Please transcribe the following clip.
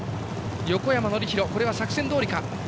横山典弘、これは作戦どおりか。